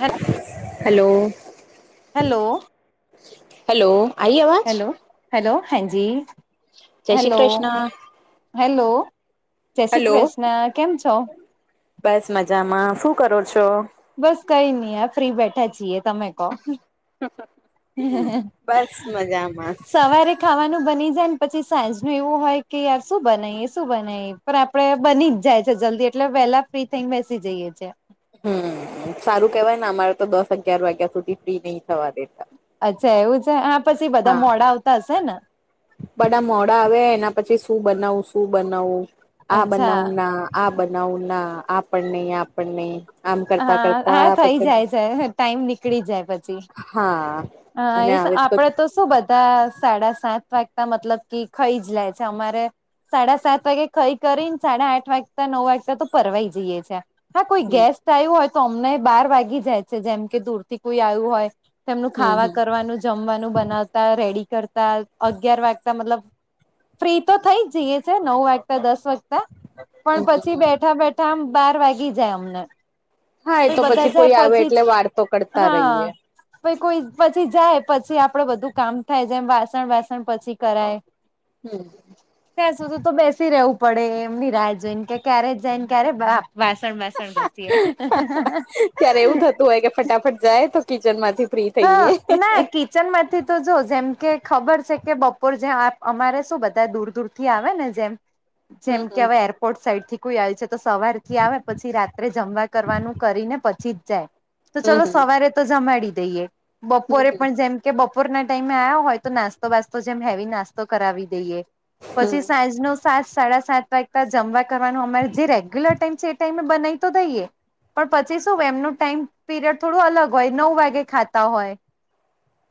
હે hello. Hello hello આઈ અવાજ હેલો. હેલો હાજી જય શ્રી હેલો કૃષ્ણ હેલો. જય શ્રી કૃષ્ણ કેમ છો. બસ મજામાં શું કરો છો? બસ કઈ નહી ફ્રી બેઠા છીએ તમે બસ મજામાં સવારે ખાવાનું બની જાય ને પછી સાંજ ન એવું હોય કે યાર શું બનાવીએ શું બનાવી? પણ આપડે બની જ જાય છે જલ્દી એટલે વેલા ફ્રી થઈ બેસી જઈએ છે. હમ સારું કેવાય ને અમારે તો દસ અગિયાર વાગ્યા સુધી ફ્રી નહી થવા દેતા. અચ્છા એવું છે આ પછી બધા હા મોડા આવતા હશે ને બધા મોડા આવે એના પછી શું બનાવું શું બનાવું આ અચ્છા બનાવું ના આ બનાવું ના આ પણ નય આ પણ નય હા હા થઈ જાય છે ટાઈમ નીકળી જાય પછી હા હા અને એ આવે આપણે તો શું બધા સાડા સાત વાગતા મતલબ કે ખાઈ જ લે છે અમારે સાડા સાત વાગે ખઈ કરી ને સાડા આઠ વાગતા નવ વાગતા તો ફરવાય જઈ છે એમ. હા કોઈ હમ ગેસ્ટ આવ્યું હોય તો અમને બાર વાગી જાય છે જેમ કે દૂરથી કોઈ આવ્યું હોય. તેમનું હમ ખાવા હમ કરવાનું જમવાનું બનાવતા રેડી કરતા અગિયાર વાગતા મતલબ ફ્રી તો થઈ જ જઈએ છે નવ વાગ્યતા દસ વાગ તા પણ પછી બેઠા બેઠા આમ બાર વાગી જાય અમને હા એ પછી તો બધા જાય કોઈ આવે પછી એટલે વાર્તો કરતા હા રહીએ આપડે કોઈ પછી જાય પછી આપડે બધું કામ થાય જેમ વાસણ વાસણ પછી કરાય હમ. ત્યાં સુધી તો બેસી રવું પડે એમની રાહ જોઈને કે ક્યારે જાય ને ક્યારે વાસણસ. વાસણ ઘસી એ ત્યારે એવું થતું હોય કે ફટાફટ જાય તો કિચન માંથી ફ્રી થઈએ. વચન માંથી તો જો જેમ કે ખબર છે કે બપોર જે અમારે શું બધા દૂર દૂર થી આવે ને જેમ હમ જેમ હમ કે હવે એરપોર્ટ સાઈડથી કોઈ આવે છે તો સવાર થી આવે પછી રાત્રે જમવા કરવાનું કરીને પછી જ જાય. તો હમ ચાલો હમ સવારે તો જમાડી દઈએ બપોરે પણ જેમ. કે બપોરના ટાઈમે આવ્યા હોય તો નાસ્તો વાસ્તો જેમ હેવી નાસ્તો કરાવી દઈએ પછી સાઈઝ નો સાત સાડા સાત વાગતા જમવા કરવાનું અમારે જે રેગ્યુલર ટાઈમ છે એ ટાઈમે બનાવી તો દઈએ. પણ પછી શું એમનું ટાઈમ પીરિયડ થોડું અલગ હોય નવ વાગે ખા હોય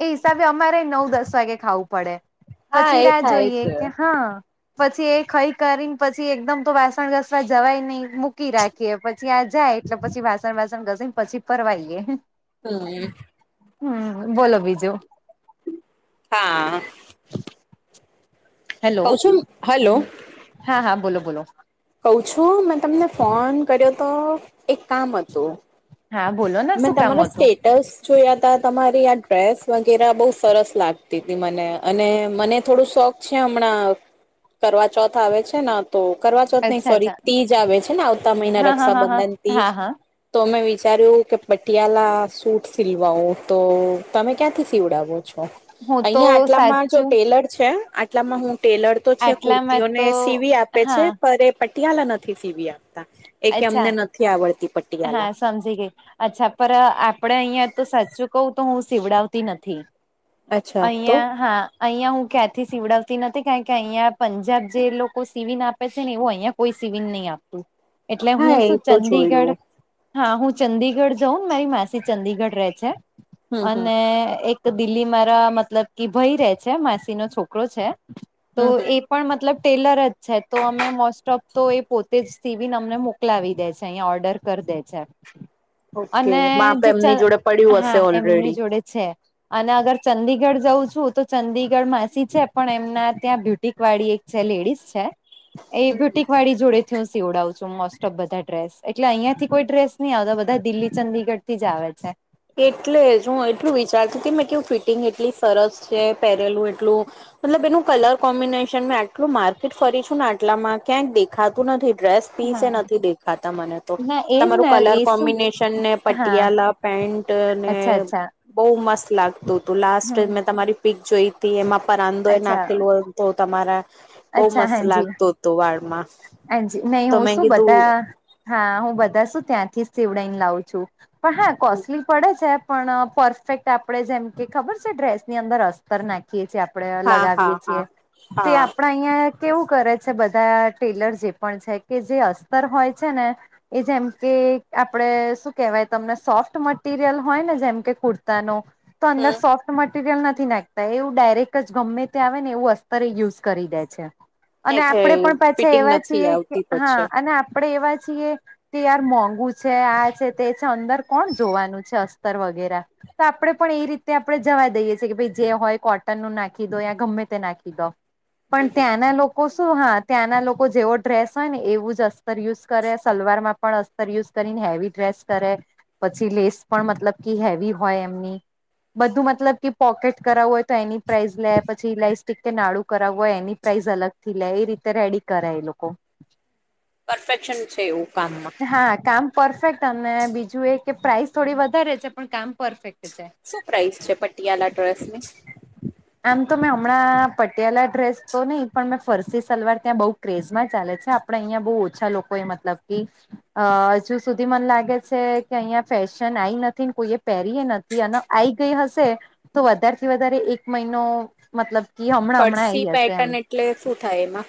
એ હિસાબે અમારે નવ દસ વાગે ખાવું પડે હા પછી એ રાહ થાય જોઈએ છે કે હા. પછી એ ખાઈ કરીને પછી એકદમ તો વાસણ ઘસવા જવાય નહી. મૂકી રાખીએ પછી આ જાય એટલે પછી વાસણ વાસણ ઘસીને પછી પરવાઈએે હમ. હમ બોલો બીજું. હા. હેલો ક્વ છું હલો. હા હા બોલો બોલો કહું છું મેં તમને ફોન કર્યો તો એક કામ હતું. હા બોલો ન. મેં તમારો સ્ટે ટ્સ જોયાતા તમારી આ ડ્રેસ વગેરે બોહ સરસ લાગતી તી મને અને મને થોડું શોખ છે હમણાં કરવા ચોથ આવે છે ને તો કરવા ચોથ ને અચ્છા ફરી અચ્છા તીજ આવે છે ને આવતા મહિના હા હા હા હા રક્ષાબંધન તીજ. હા હા તો મેં વિચાર્યું કે પટિયાલા સૂટ સીલવાવો તો તમે ક્યાંથી સીવડાવો છો. હું તો અહિયાં આટલામાં જો સાચું ટેલર છે આટલામાં હું ટેલર તો છે આટલામાં કુર્તીઓને તો સીવી આપે છે હા પણ એ પટિયાલા નથી સીવી આપતા એ કેમ અચ્છા અમને નથી આવડતા હા પટિયાલા સમજી ગય અચ્છા પર આપડે અહિયાં તો સાચું કહું તો હું સીવડાવતી નથી. અચ્છા તો અહિયાં હા. અહિયાં હું ક્યાંથી સીવડાવતી નથી કારણ કે અહિયાયા પંજાબ જે લોકો સીવી ને આ આપે છે ને એવું અહિયાં કોઈ સિવિને નહી આપતું એટલે હા હું એ શું તો ચંદીગઢ જોયું હા હું ચંદીગઢ જાઉં મારી માસી ચંદીગઢ રહેે છે, હમ હમ અને એક તો દિલ્હી મારા મતલબ કે ભય રહે છે માસી નો છોકરો છે, તો હમ હમ એ પણ મતલબ ટેલર જ છે તો અમે મોસ્ટ ઓફ તો એ પોતે જ સવીિન અમને મોકલાવી દે છે અહીયાયા ઓર્ડર કરી દે છે. ઓકે અને માપ જે એમની જોડે પડ્યું હા હશે એમની ઓલરેડી જોડે છે. અને અગર ચંદીગઢ જઉં છું તો ચંદીગઢ માસી છે પણ એમના ત્યાં બ્યુટિક વાડી એક જે લેડીઝ છે, એ બ્યુટિક વાળી જોડે સીવડાવું છું મોસ્ટ ઓફ બધા ડ્રેસ એટલે અહિયાં થી કોઈ ડ્રેસ નહ આવતા બધા દિલ્હી ચંદડીગઢ થી જ આવે છે. એટલે જ હું એટલું વિચારતી હતી મેં કેવું ફિટિંગ એટલી સરસ છે પહેરેલું એટલું મતલબ એનું કલર કોમ્બિનેશન મેં આટલું માર્કેટ ફરી છું ને આટલામાં ક્યાંયક દેખાતું નથી ડ્રેસ પીસે હા. નથી દેખાતા મને તો, ના એજ તમારું ને કલર એ શું કોમ્બિનેશન ને હા પટિયાલા પેન્ટ. અચ્છા અચ્છા બહ મસ્ત લાગતું હતું લાસ્ટ હમ મેં તમારી પીક જોઈ. એમાં પર અંદોય અચ્છા નાખેલું હોય તો તમારા, બહુ મસ્ત લાગતું હતું વાળમાં. હ નહી તો હું મેં શું કીધું બધા, હા હું બધા શું ત્યાંથી જ સેવડાઈને લાવ છું. પણ હા કોસ્ટલી પડે છે પણ પરફેક્ટ આપણે જેમ કે ખબર છે ડ્રેસની અંદરસ્ તર નાખીએ છીએ, આપડે હા હા લગાવીએ હા છીએ તો હા આપણા અહિયાં કેવું કરે છે બધા ટેલર જે પણ છે કે જે અસ્તર હોય છે ને. એ જેમ કે આપણે શું કેહેવાય તમને સોફ્ટ મટીરિયલ હોય ને જેમ કે કુર્તાનો તો અંદર ફોક મટીરિયલ નથી નાખતા એવું ડાયરેક્ટ જ ગમે તે આવે ને એવું અસ્તરે યુઝ કરી દે છે. એ અને આપડે થ પણ [unintelligible] પાછા એવા છીએ કે હા અને આપણેે એવા છીએ. તે યાર મોંઘુ છે આ છે તે છે અંદર કોણ જોવાનું છે અસ્તર વગેરે. તો આપણે પણ એ રીતે આપણે જવાઈ દઈએ છી કે ભાઈ જે હોય કોટનનું નાખી દો યા ગમે તે નાખી દો. પણ ત્યાંના લોકો શું હાત ત્યાંના લોકો જેવો ડ્રેસ હોય ને એવું જ અસ્તર યુઝ કરે સલવાર માં પણ અસ્તર યુઝ કરીને હેવી ડ્રેસ કરે પછી લેસ પણ મતલબ કે હેવી હોય એમની બધું મતલબ કે પોકેટ કરાવવું હોય તો એની પ્રાઇઝ લે પછીઇ લઇસ્ટિક કે નાળુું કરાવવ હોય એની પ્રાઇઝ અલગ થી લે એ રી રેડી કરે એ લોકો પરફેક્શન છે એવું કામમાં હા કામ પરફેક્ટ અને બીજું એ કે પ્રાઇસ થોડી વધારે છે પણ કામ પરફેક્ટ. છે શું પ્રાઇસ છે પટિયાલા ડ્રેસ ની.? આમ તો મેં હમણાં પટિયાલા ડ્રેસ તો નહીં પણ મેં ફરસી સલવાર ત્યાં બઉ ક્રેઝમાં ચાલે છે આપડે અહિયાં બહુ ઓછા લોકો એ મતલબ કે અ હજુ સુધી મને લાગે છે કે અહીં ફેશન આવીઈ નથી ને કોઈએ પહેરીય નથી. અને આઈ ગઈ હશે તો વધારેથી વધારે એક મહિનો મતલબ કે હમણાં હમણાં ફરસી આઈ હશે એમ પેટર્ન એટલે શું થાય એમાં?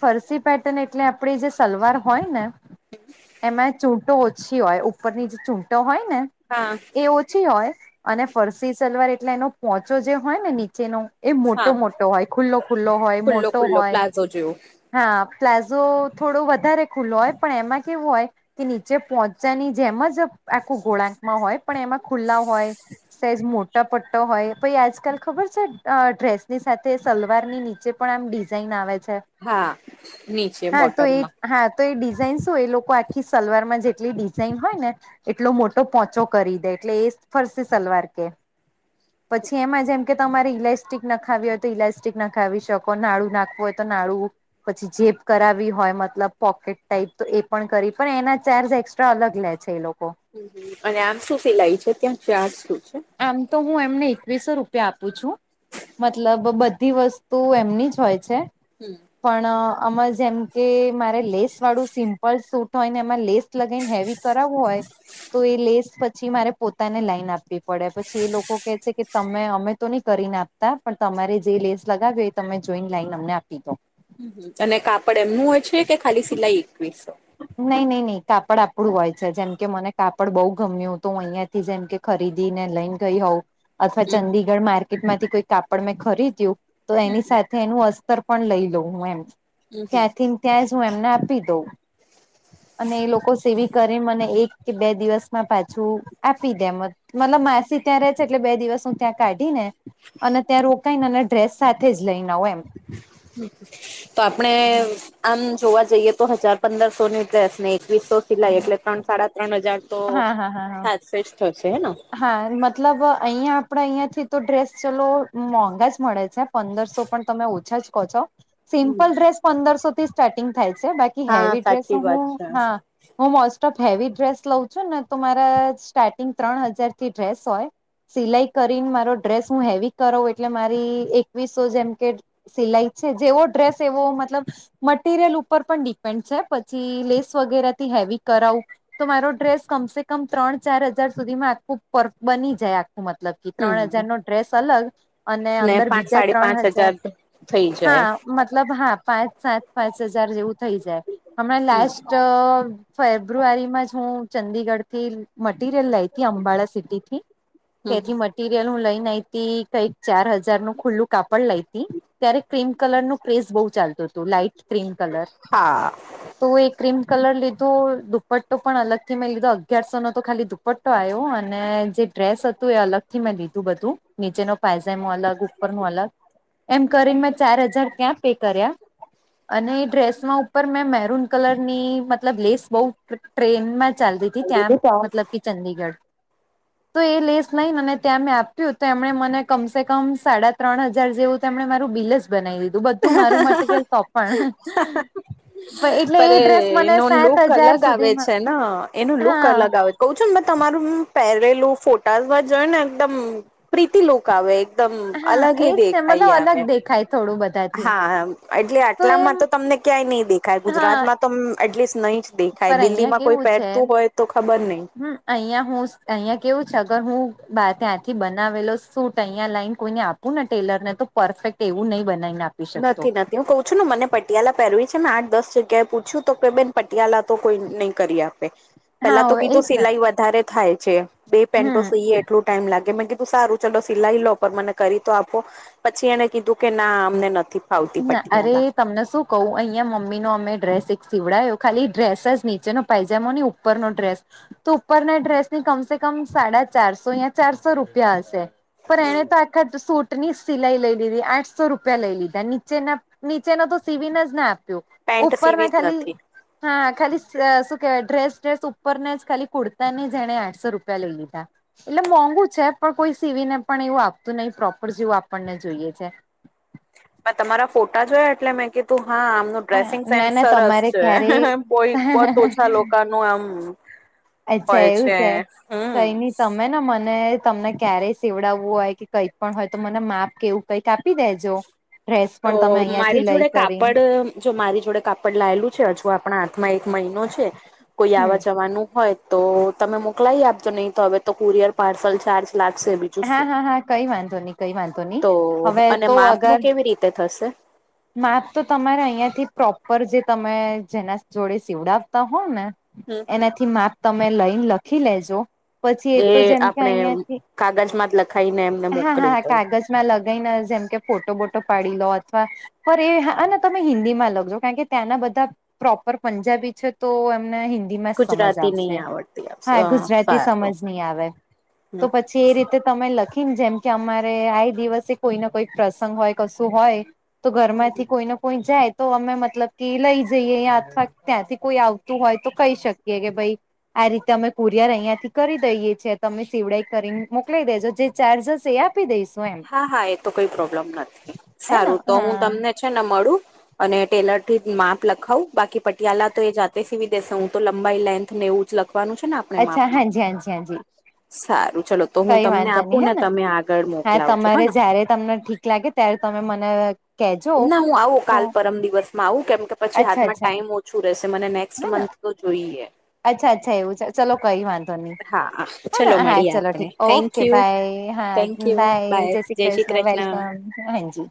ફરસી પેટર્ન એટલે આપડી જે સલવાર હોય ને હમ એમાં ચૂટો ઓછી હોય ઉપરની જે ચૂટો હોય ને હા એ છી હોય અને ફરસી સલવાર એટલે એનો પોહોચો જે હોય ને નીચેનો એ હા મોટો મોટો હોય ખુલ્લો ખુલ્લો હોય ખુલ્લો મોટો ખુલ્લો હોય. પ્લાઝો જેવો હા પ્લાઝો થોડો વધારે ખુલ્લો હોય. પણ એમાં કેવું હોય કે નીચે પહોંચવાની જેમ જ આખું ગોળા માં હોય પણ એમાં ખુલ્લા હોય સાઈઝ મોટ પા પટ્ટો હોય પી આજકાલ ખબર છે ડ્રેસની સાથે સલવાર ની નીચે પણ એમ ડિઝાઇન આવે છે. હા નીચે હા તો એ બોટમમાં હા તો એ ડિઝાઇન શું એ લોકો આખી સલવાર માં જેટલી ડિઝાઇન હોય ને એટલો મોટો પોહોંચો કરી દે એટલે એ ફરસે સલવાર કે. હ [unintelligible] પછી એમાં જેમ કે તમારે ઇલાસ્ટિક ના ખાવી હોય તો ઇલાસ્ટિક ના ખાવી શકો નાડુ નાખવું હોય તો નાડું. પછી જેપ કરાવી હોય મતલબ પોકેટ, ટાઈપ તો એ પણ કરી પણ એના ચાર્જ એક્સ્ટ્રા અલગ લે છે એ લોકો. હ અને આમ શું સિલાઈ છે ત્યાં ચારજ શું છે? આમ તો હું એમને એકવીસો રૂપિયા આપું છું. મતલબ બધી વસ્તુ એમની જ હોય છે. હમ પણ અમર જેમ કે મારે લેસ વાળું સિમ્પલ સૂટ હોય ને એમાં લેસ લગન હેવી કરાવવું હોય તો એ લેસ પછી મારે પોતાને લાઈન આપ પડે પછી એ લોકો કે છે કે તમે અમે તો નહી કરી નાખતા પણ તમારે જે લેસ લગાવ્યો એ તમે જોઈન્ટ લાઈન અમને આપી દો. હમ અને કાપડ એમનું હોય છે કે ખાલી સિલાઈ એકવીસો નઈ નહી નહી કાપડ આપડું હોય છે જેમ કે મને કાપડ બહુ ગમ્યું હતું હું અહિયાં થી જેમ કે ખરીદી ને લઈને ગઈ હોઉ-' અથવા હમ હમ ચંંદીગઢ માર્કેટમાંથી કોઈ કાપડ મેં ખરીદ્યું તો એની સાથે એનું અસ્તર પણ લઈ લઉં હું એમ હમ હમ કેથીન ત્યાં જ હું એમને આપી દઉં. [inaudible] અને એ લોકો સેવી કરી મને એક કે બે દિવસમાં પાછું આપી દે એમજ મતલબ માસી ત્યાં ર છે એટલે બે દિવસ હું ત્યાં કાઢી ને અને ત્યાં રોકાઈને અને ડ્રેસ સાથે જ લઈને હોય તો આપણે આમ જોવા જઈએ તો હજાર પંદરસો ની ડ્રેસ ને એકવીસો સિલાઈ એટલે ત્રણ સાડા ત્રણ હજાર તો હા હા હા હા સાચ જ થશે હેના હા મતલબ અહીયાં આપડે અહીં થી તો ડ્રેસ ચલો મોંઘા જ મળે છે પંદરસો પણ તમે ઓછા જ કહો છો. હમ સિમ્પલ ડ્રેસ પંદરસો થી સ્ટાર્ટિંગ થાય છે બાકી હા હેવી ડ્રેસ સાચી વાત હું છે હા હું મોસ્ટ ઓફ હેવી ડ્રેસ લઉં છું ને તો મારા સ્ટાર્ટિંગ ત્રણ હજારથી ડ્રેસ હોય સિલાઈ કરીને મારો ડ્રેસ હું હેવી કરો એટલે મારી એકવીસો જેમ કે સિલાઈ છે જેવો ડ્રેસ એવો મતલબ મટિરિયલ ઉપર પણ ડિપેન્ડ છે પછી લેસ વગેરેથી હેવી કરાવું તો મારો ડ્રેસ કમસે કમ ત્રણ ચાર હજાર સુધી માં [unintelligible] બની જાય આખું મતલબ કે ત્રણ હજાર હમ નો ડ્રેસ અલગ અને ને અંદર પાંચ બીજા સાડી ત્રણ પાંચ હજાર થઈ જાય હા મતલબ હા પાંચ સાત પાંચ હજાર જેવું થઈ જાય. હમણાં હમ લાસ્ટ ફેબ્રુઆરીમાં જ હું ચંદીગઢ થી મટીરિયલ લાઈ તી અંબાળા સિટી થી હમ તેથી મટીરયલ હું લઈને આઈતી કઈક ચાર હજાર નું ખુલ્લું કાપડ લાઇ તી ત્યારે ક્રીમ કલર નું પ્રેસ બહુ ચાલતું હતું લાાઈટ ક્રીમ કલર હા તો એ ક્રીમ કલર લીધો દુપટ્ટો પણ અલગથી મેં લીધો અગિયારસો નો તો ખાલી દુપટ્ટો આયો અને જે ડ્રેસ હતું એ અલગ થી મેં લીધું બધું નીચેનો પાયઝામો અલગ ઉપર નું અલગ એમ કરીને મેં ચાર હજાર ત્યાં પે કર્યા અને એ ડ્રેસમાં ઉપર મેં મેરૂન કલર ની મતલબ લેસ બઉુ ટ્રેન માં ચાલતી હતી ત્યા મતલબ કે ચંડીગઢ તો એ લેસ લઈને ત્યાં મેં આપ્યું તો એમણે મને કમસે કમ સાડા ત્રણ હજાર જેવું તેમણે મારું બિલ જ બનાવી દીધું બધું મારું મટીરિયલ તો પણ. એટલે પર એ ડ્રેસ મને એનો સાત લુક હજાર અલગ આવે સુધીમાં છે ને એનો લુક હા અલગ આવે કઉ છું ને તમારું પહેરેલું ફોટામાં જોય ને એકદમ પ્રીતિ લોક આવે એકદમ હા અલગ એજ એ ને મતલબ દેખાય અલગ આવે દેખાય થોડું બધાથી હા એટલે આટલામાં તો તમને ક્યાંય નહી દેખાય હા ગુજરાતમાં તો એટલીસ્ટ નહી જ દેખાય પર દિલ્હી અહિયાં માં કોઈ કેવું છે પહેરતું હોય તો ખબર નહી હમ અહિયાં હું અહીંયા કેવું છે અગર હું ત્યાંથી બનાવેલો સૂટ અહિયા લાઈન કોઈને આપૂ ને ટેલરને તો પરફેક્ટ એવું નહી બનાવીને આપે નથી નથી હું કઉ છું ને મને પટિયાલા પહેરવી છે ને આઠ દસ જગ્યાએ પૂછ્યું તો કે બેન પટિયાલા તો કોઈ નહી કરી આપે હા પેલા તો એજ કીધું ને સિલાઈ વધારે થાય છે બે હમ પેન્ટો સીએ એટલું ટાઈમ લાગે મે કીધું તસારું ચલો સિલાઈ લો પણ મને કરી તો આપો. પછી એને કીધું કે ના અમને નથી ફાવતી ના અરે પટિયાલા તમને શું કહું અહીયાં મમ્મી નો અમે ડ્રેસ એક સીવડાયો ખાલી ડ્રેસ જ નીચેનો પાઓ ની ઉપર નો ડ્ર્રેસ તો ઉપરના ડ્રેસની કમસે કમ સાડા ચારસો યા ચારસો રૂપિયા હશે. પણ એણે તો આખા સૂટની સિલાઈ લઈ લીધી આઠસો રૂપિયા લઈ લીધા ની નીચેના નીચેનો તો સિવિને જ ના આપ્યો પેન્ટ સીવી ઉપરના જ ખાલી નથી હા ખાલી શું કેવાય ડ્રેસ ડ્રેસ ઉપરને જ ખાલી કુર્તાને જ એણે આઠસો રૂપિયા લઈ લીધા. એટલે મોંઘુ છે પણ કોઈ સીવીને પણ એવું આપતું નહીિ પ્રોપર જેવું આપણને જોઈએ છે. મેં તમારા ફોટા જોયા એટલે મેં કીધું હા આમનું હા ડ્રેસિંગ ના સેન્સ ના સરસ તમારે છે ક્યારે બહોત ઓછા લોકોનું આમ હોય છે હમ. મે ને મને તમને ક્યારેય સેવડાવવું હોય કે કઈ પણ હોય તો મને માપ કેવું કઈક આપી દેજો ડ્રેસ પણ તો તમે અહિયાં મારી થી લઈ જોડે કરી. કાપડ જો મારી જોડે કાપડ લાયેલું છે હજુ આપણા હાથમાં એક મહિનો છે કોઈ હમ આવવા જવાનું હોય. તો તમે મોકલાઈ આપજો નહી તો હવે તો કુરિયર પાર્સલ ચાર્જ લાગશે બી. હા હા હા કઈ વાંધો નહી કઈ વાંધો નહી, હવે. તો માપ અગર નું કેવી રીતે થશે.. માપ તો તમારે અહંથી પ્રોપર જે તમે જેના જોડે સીવડાવતા હોવ ને. હમ હમ એનાથી માપ તમે લઈને લખી લેજો. પછી એ તો જેમ કે અહિયાંથી કાગજમાં જ લખાઈને એમને હા મોકલી હાા દઉં કાગજ. લગાઈને જેમ કે ફોટો બોટો પાડી લો અથવા પણ એ તમે હિન્દીમાં લખજો કારણ કે ત્યાંના બધા પ્રોપર પંજાબી છે, તો એમને હિન્. જ સમજ ગુજરાતી નહી આવશે આવડતી હા ગુજરાતી સારું સમજ નહી આવે હમ તો પછી એ રીતે તમે લખીને જેમ કે અમારે આ દિવસે કોઈ ના કોઈ પ્રસંગ હોય કશું હોય. તો ઘર માંથી કોઈ ને કોઈ જાય. તો અમે મતલબ કે લઈ જઈએ અં અથવા ત્યાંથી કોઈ આવતું હોય, તો કહી શકીએ કે ભાઈ. આ રીતે અમે કુરિયર અહિયાં થી કરી દઈએ છીએ, તમે શિવડાઈ કરીને મોકલી દેજો જે. ચાર્જસ એ આપી દઈશ. હા હા એ તો કઈ પ્રોબ્લેમ નથી હે ને સારું તો હું હા તમને છેને, મળું. અને ટેલર થી માપ લખાવું બાકી પટિયાલા તો એ જાતે સિવી દેસે હું તો લંબાઈ લેન્થ ને એવું જ લખાવ. બનું છેને. અચ્છા હા જ હા જ હા જ. સારું ચલો તો હું કઈ તમને વાંધ નહી આપું હે ને તમે આગળ હા મોકલાવજો તમારે હને જય્યારે તમને ઠીક. લાગે ત્યારે તમે મને. કેજો ના હું આવું તો કાલ પરમ દિવસમાં આવું કેમ કે પછી અચ્છા હાથમાં અચ્છા ટાઈમ ઓછુ, રહેશે મને નેક્સ્ટ હે ને મંથ. તો જોઈ હ. અચ્છા અચ્છા એવું છે ચલો કઈ વાંધો નહી હા ચલો હા હા મળીએ ચાલલો આપણે ઠીક okay. Thank okay you bye હા બાય જય શ્રી કૃષ્ણ વેલકમ હાજી.